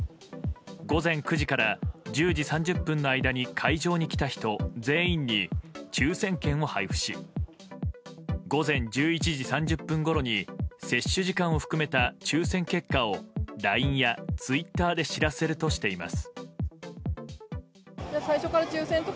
午前９時から１０時３０分の間に会場に来た人全員に抽選券を配布し午前１１時３０分ごろに接種時間を含めた抽選結果をＬＩＮＥやツイッターで知らせるとしています。